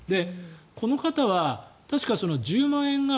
この方は確か１０万円が